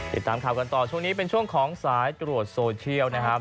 ติดตามข่าวกันต่อช่วงนี้เป็นช่วงของสายตรวจโซเชียลนะครับ